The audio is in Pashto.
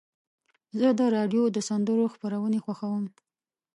زه د راډیو د سندرو خپرونې خوښوم.